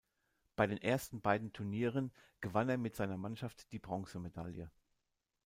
Bei den ersten beiden Turnieren gewann er mit seiner Mannschaft die Bronzemedaille.